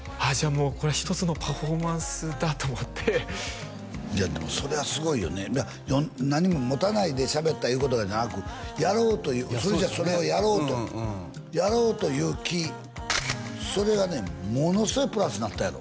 もうこれは一つのパフォーマンスだと思っていやでもそれはすごいよね何も持たないでしゃべったいうことがじゃなくやろうというそれじゃそれをやろうとやろうという気それはねものすごいプラスになったやろ？